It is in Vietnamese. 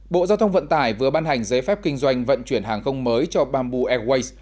bộ giao thông vận tải vừa ban hành giấy phép kinh doanh vận chuyển hàng không mới cho bamboo airways